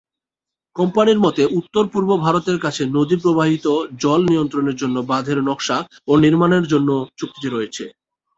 কোম্পানির মতে, উত্তর-পূর্ব ভারতের কাছে নদী প্রবাহিত জল নিয়ন্ত্রণের জন্য বাঁধের নকশা ও নির্মাণের জন্য চুক্তিটি রয়েছে।